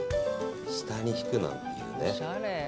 下にひくなんていうね。